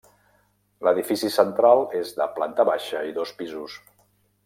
L'edifici central és de planta baixa i dos pisos.